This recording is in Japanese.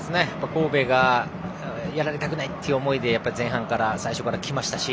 神戸がやられたくないという思いで前半から、最初から来ましたし。